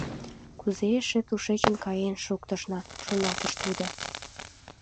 «Кузе эше тушечын каен шуктышна» шоналтыш тудо.